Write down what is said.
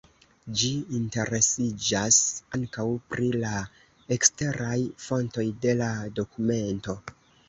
Ĝi interesiĝas ankaŭ pri la eksteraj fontoj de la dokumento.